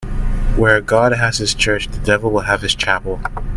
Where God has his church, the devil will have his chapel.